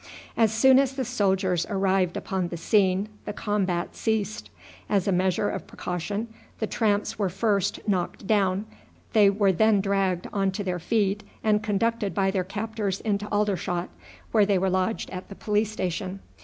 As soon as the soldiers arrived upon the scene the combat ceased. As a measure of precaution the tramps were first knocked down; they were then dragged on to their feet and conducted by their captors into Aldershot, where they were lodged at the police station.